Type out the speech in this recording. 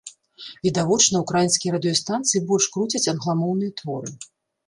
Відавочна, украінскія радыёстанцыі больш круцяць англамоўныя творы.